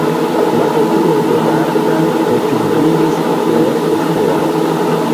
La okuloj de Marta ekbrilis per espero.